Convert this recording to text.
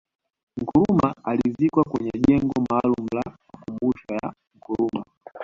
Nkrumah alizikwa kwenye jengo maalumu la makumbusho ya Nkrumah